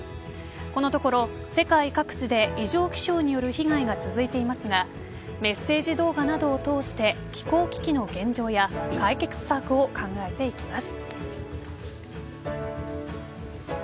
このところ、世界各地で異常気象による被害が続いていますがメッセージ動画などを通して気候危機の現状や解決策を考えていきます。